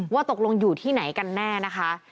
ว่าตกลงอยู่ที่ไหนกันแน่นะคะ